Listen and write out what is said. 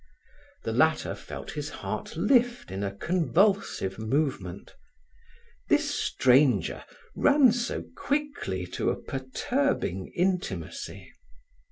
The latter felt his heart lift in a convulsive movement. This stranger ran so quickly to a perturbing intimacy.